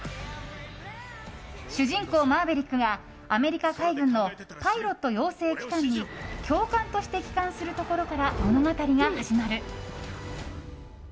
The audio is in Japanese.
主人公マーヴェリックがアメリカ海軍のパイロット養成機関に教官として帰還するところから物語が始まる。